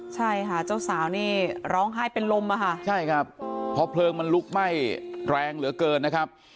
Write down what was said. ใช่ค่ะเจ้าสาวนี่ร้องไห้เป็นลมอะค่ะใช่ครับเพราะเพลิงมันลุกไหม้แรงเหลือเกินนะครับ